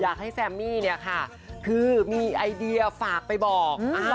อยากให้แซมมี่คือมีไอเดียฝากไปบอก